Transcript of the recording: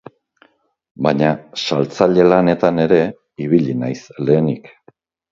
Baina saltzaile lanetan ere ibili naiz lehenik.